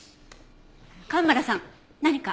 蒲原さん何か？